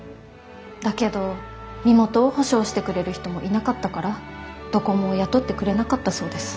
だけど身元を保証してくれる人もいなかったからどこも雇ってくれなかったそうです。